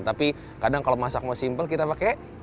tapi kadang kalau masak mau simpel kita pakai